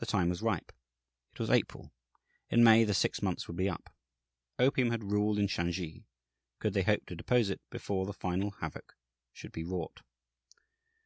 The time was ripe. It was April; in May the six months would be up. Opium had ruled in Shansi: could they hope to depose it before the final havoc should be wrought?